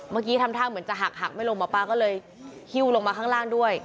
ทำท่าเหมือนจะหักหักไม่ลงหมอปลาก็เลยหิ้วลงมาข้างล่างด้วย